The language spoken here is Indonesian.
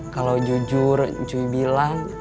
kalau jujur cuy bilang